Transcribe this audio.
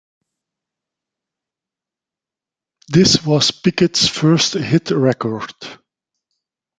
This was Pickett's first hit record.